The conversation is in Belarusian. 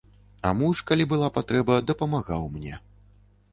А муж, калі была патрэба, дапамагаў мне.